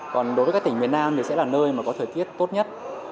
còn đối với các tỉnh miền nam thì sẽ là nơi mà có thời tiết tốt nhất